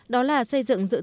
đó là xây dựng